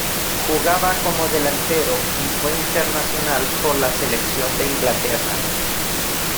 Jugaba como delantero y fue internacional por la selección de Inglaterra.